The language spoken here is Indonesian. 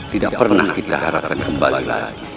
tidak pernah kita harapkan kembali lagi